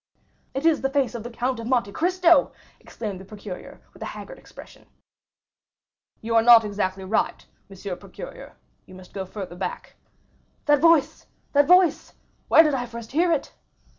"It is the face of the Count of Monte Cristo!" exclaimed the procureur, with a haggard expression. "You are not exactly right, M. Procureur; you must go farther back." "That voice, that voice!—where did I first hear it?"